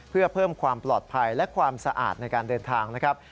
เพื่อเพิ่มความปลอดภัยและความสะอาดในการเดินทางนะครับ